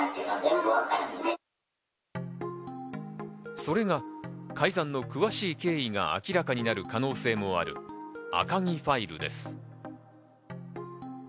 それが改ざんの詳しい経緯が明らかになる可能性もある赤木ファイルです。